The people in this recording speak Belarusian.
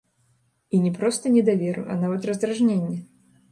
І не проста недаверу, а нават раздражнення.